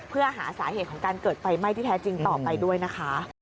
เพื่อหาสาเหตุของการเกิดไฟไหม้ที่แท้จริงต่อไปด้วยนะคะ